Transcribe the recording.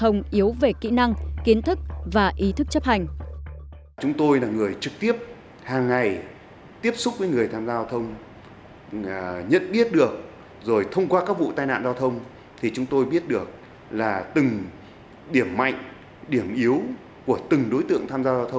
những người tham gia giao thông yếu về kỹ năng kiến thức và ý thức chấp hành